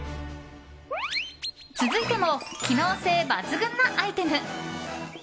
続いても、機能性抜群なアイテム。